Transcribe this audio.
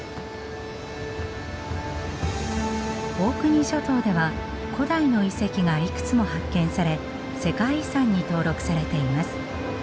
オークニー諸島では古代の遺跡がいくつも発見され世界遺産に登録されています。